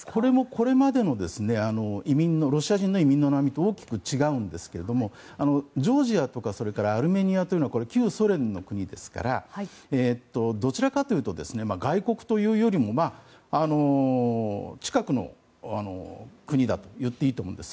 これまでのロシア人の移民の波と大きく違うんですがジョージアとかアルメニアは旧ソ連の国ですからどちらかというと外国というよりも近くの国だといっていいと思うんです。